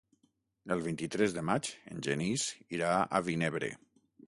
El vint-i-tres de maig en Genís irà a Vinebre.